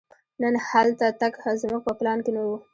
نن هلته تګ زموږ په پلان کې نه و.